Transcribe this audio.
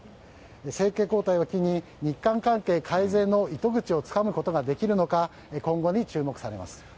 政権交代を機に日韓関係改善の糸口をつかむことができるのか今後に注目されます。